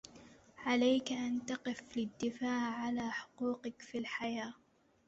عليك أن تقف للدفاع على حقوقك في الحياة.